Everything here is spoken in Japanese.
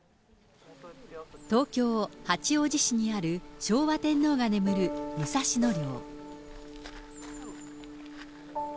東京・八王子市にある、昭和天皇が眠る武蔵野陵。